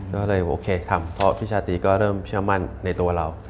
ก็เลยโอเคทำเพราะพี่ชาตรีก็เริ่มเชื่อมั่นในตัวเรา